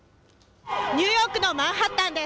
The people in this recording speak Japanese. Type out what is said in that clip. ニューヨークのマンハッタンです。